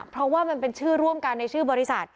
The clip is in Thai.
เพราะว่ามันเป็นชื่อร่วมกันในชื่อบริษัท